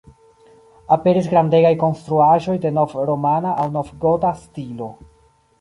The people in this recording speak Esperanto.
Aperis grandegaj konstruaĵoj de nov-romana aŭ nov-gota stilo.